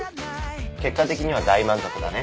結果的には大満足だね。